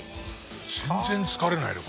全然疲れないね